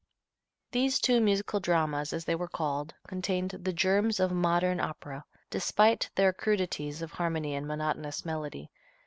These two "musical dramas," as they were called, contained the germs of modern opera, despite their crudities of harmony and monotonous melody.